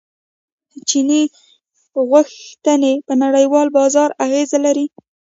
چیني غوښتنې په نړیوال بازار اغیز لري.